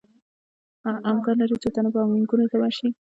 امکان لري څو تنه بانکونو ته ورشي